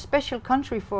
phần quan trọng